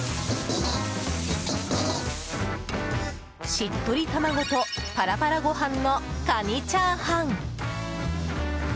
しっとり卵とパラパラご飯のカニチャーハン！